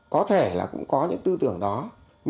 có thể là cũng có những tư tưởng khác